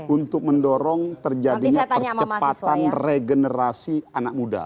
untuk mendorong terjadinya percepatan regenerasi anak muda